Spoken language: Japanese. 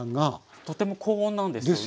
とても高温なんですよね。